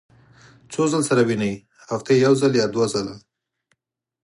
څو ځله سره وینئ؟ هفتې یوځل یا دوه ځله